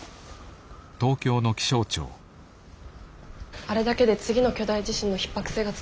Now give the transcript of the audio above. あれだけで次の巨大地震のひっ迫性が伝わったでしょうか？